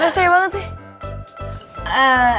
resia banget sih